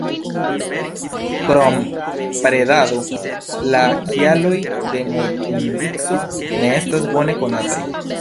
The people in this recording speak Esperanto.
Krom predado la kialoj de mortindico ne estas bone konataj.